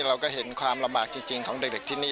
เราก็เห็นความลำบากจริงของเด็กที่นี่